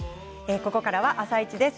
ここからは「あさイチ」です。